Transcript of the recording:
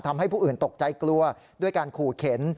ทำให้ผู้อื่นตกใจกลัวด้วยการขู่เข็น